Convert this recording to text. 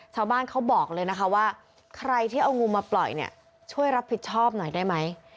เขาบอกเลยนะคะว่าใครที่เอางูมาปล่อยเนี่ยช่วยรับผิดชอบหน่อยได้ไหม